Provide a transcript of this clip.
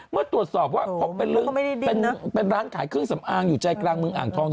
เมื่อตรวจสอบว่าพบเป็นร้านขายเครื่องสำอางอยู่ใจกลางเมืองอ่างทอง